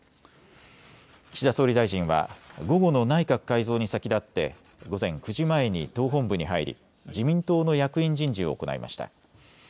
岸田総理大臣は、午後の内閣改造に先立って、午前９時前に党本部に入り、自民党の役員人事を行いました。